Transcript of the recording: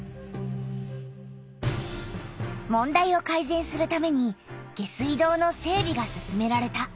問題をかいぜんするために下水道の整びが進められた。